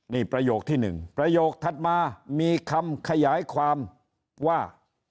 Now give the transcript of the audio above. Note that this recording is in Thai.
นี่ประโยคที่๑ประโยคถัดมามีคำขยายความว่า